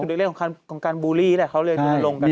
คือเรียกของการบูลลี่แหละเขาเรียนตัวลงกันไง